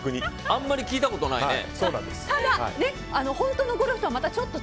あんまり聞いたことないね。